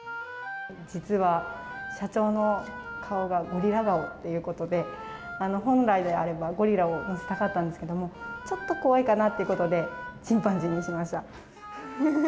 実は、社長の顔がゴリラ顔っていうことで、本来であれば、ゴリラを乗せたかったんですけども、ちょっと怖いかなっていうことで、チンパンジーにしました。